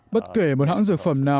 bất kể một hãng dược phẩm nào